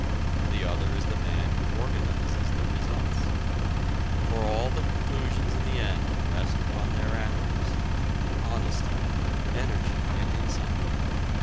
The other is the man who organizes the results. For all the conclusions in the end rest upon their accuracy, honesty, energy and insight.